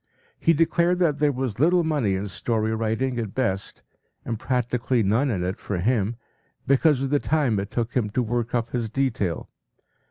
He declared that there was little money in story writing at best, and practically none in it for him, because of the time it took him to work up his detail.